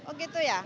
oh gitu ya